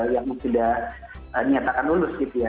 yang sudah nyatakan lulus gitu ya